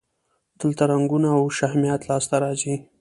دلته رنګونه او شهمیات لاسته راځي.